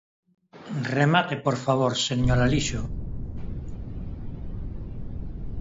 Remate, por favor, señor Alixo.